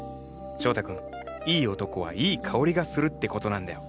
翔太君いい男はいい香りがするって事なんだよ。